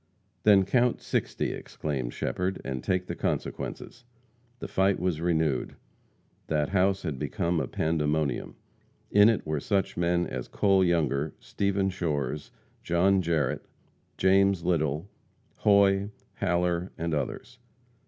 "Then count sixty," exclaimed Shepherd, "and take the consequences." The fight was renewed. That house had become a pandemonium. In it were such men as Cole Younger, Stephen Shores, John Jarrette, James Little, Hoy, Haller, and others.